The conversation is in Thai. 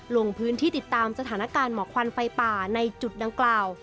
ลงพื้นที่ติดตามสถานการณ์หมอกควันไฟป่าในจุดดังกล่าว